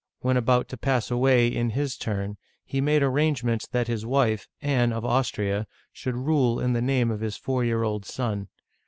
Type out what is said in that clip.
When about to pass away, in his turn, he made arrangements that his wife, Anne of Austria, should rule in the name of his four year old son.